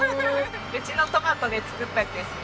うちのトマトで作ったんですよ。